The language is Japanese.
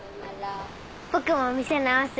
僕もお店直す。